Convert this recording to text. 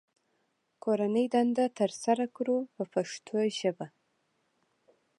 کورنۍ دنده ترسره کړو په پښتو ژبه.